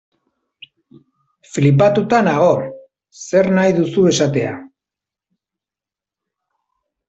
Flipatuta nago, zer nahi duzu esatea.